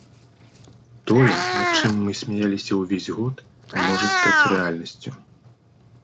Тое, над чым мы смяяліся ўвесь год, можа стаць рэальнасцю.